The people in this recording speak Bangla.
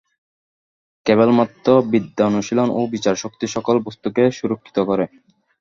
কেবলমাত্র বিদ্যানুশীলন ও বিচারশক্তি সকল বস্তুকে সুরক্ষিত করে।